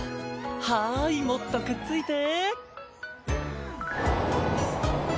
はーいもっとくっついて！